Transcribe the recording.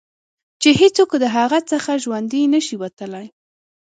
چې هېڅوک د هغه څخه ژوندي نه شي وتلای.